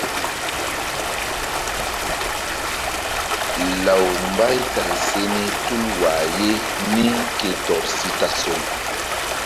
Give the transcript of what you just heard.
Law Mbaytay se ni tul wah ye mí ke tɔr si tasol.